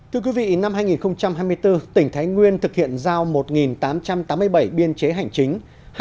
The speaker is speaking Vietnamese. thưa quý vị năm hai nghìn hai mươi bốn tỉnh thái nguyên thực hiện giao một tám trăm tám mươi bảy biên chế hành chính